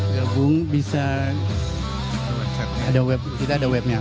gabung bisa kita ada webnya